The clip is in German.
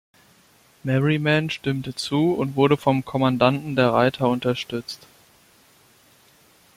Merriman stimmte zu und wurde vom Kommandanten der Reiter unterstützt.